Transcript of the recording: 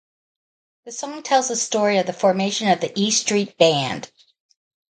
The song tells the story of the formation of the E Street Band.